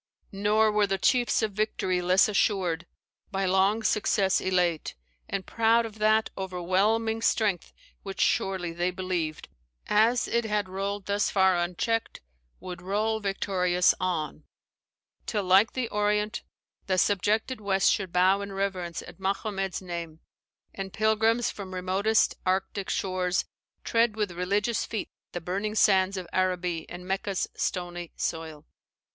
"Nor were the chiefs Of victory less assured, by long success Elate, and proud of that o'erwhelming strength Which surely, they believed, as it had rolled Thus far uncheck'd, would roll victorious on, Till, like the Orient, the subjected West Should bow in reverence at Mahommed's name; And pilrims from remotest Arctic shores Tread with religious feet the burning sands Of Araby and Mecca's stony soil."